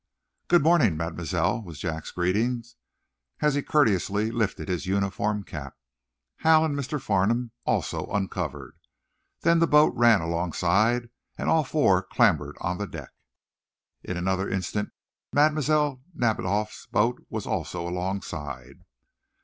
"Good morning, Mademoiselle," was Jack's greeting, as he courteously lifted his uniform cap. Hal and Mr. Farnum also uncovered. Then the boat ran alongside, and all four clambered on the deck. In another instant. Mlle. Nadiboff's boat was also alongside.